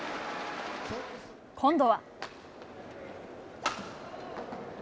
今度は。